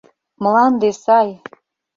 Мланде сай.